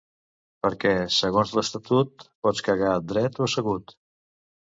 perquè, segons l'Estatut, pots cagar dret o assegut